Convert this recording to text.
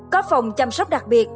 có phòng chăm sóc đặc biệt